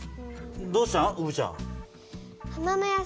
どうしたの？